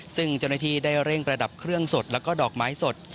ซึ่งเจ้าหน้าที่ได้เร่งประดับเครื่องสดแล้วก็ดอกไม้สด